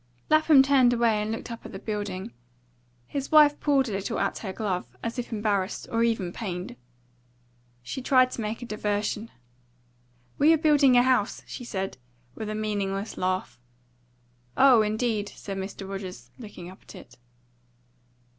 Lapham turned away and looked up at the building. His wife pulled a little at her glove, as if embarrassed, or even pained. She tried to make a diversion. "We are building a house," she said, with a meaningless laugh. "Oh, indeed," said Mr. Rogers, looking up at it.